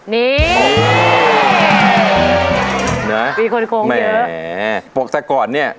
นี่มีคนโค้งเยอะแหมปกติก่อนเนี่ย